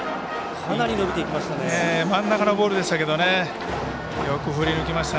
かなり伸びていきました。